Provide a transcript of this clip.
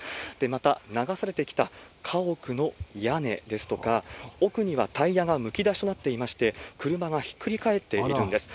また、流されてきた家屋の屋根ですとか、奥にはタイヤがむき出しになっていまして、車がひっくり返っているんです。